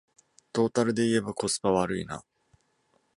トータルでいえばコスパ悪いな